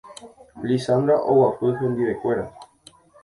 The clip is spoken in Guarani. Lizandra oguapy hendivekuéra.